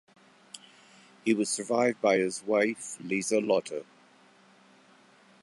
He was survived by his wife, Lieselotte.